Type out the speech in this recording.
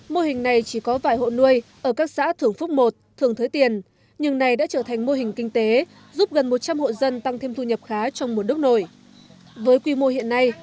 mô hình nuôi lươn ở đây không cần tốn nhiều diện tích có thể thực hiện được mô hình